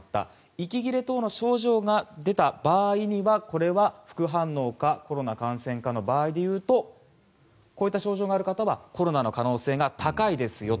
息切れ等の症状が出た場合には副反応かコロナ感染かの場合で言うとこういった症状がある方はコロナの可能性が高いですよと。